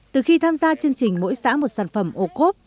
từ khi tham gia chương trình mỗi xã một sản phẩm ô cốp